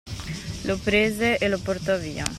Lo prese e lo portò via.